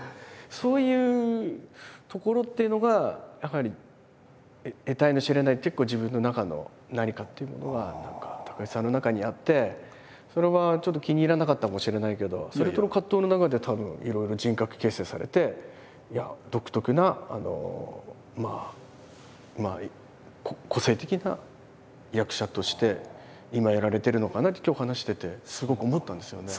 そういうところっていうのがやはりっていうものが何か高橋さんの中にあってそれはちょっと気に入らなかったかもしれないけどそれとの葛藤の中でたぶんいろいろ人格形成されて独特な個性的な役者として今やられてるのかなって今日話しててすごく思ったんですよね。